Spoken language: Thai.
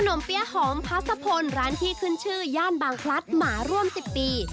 มเปี้ยหอมพัสพลร้านที่ขึ้นชื่อย่านบางพลัดหมาร่วม๑๐ปี